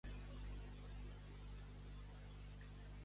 Francès de la França xica.